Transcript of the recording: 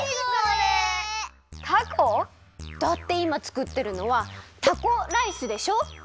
だっていまつくってるのは「タコ」ライスでしょ？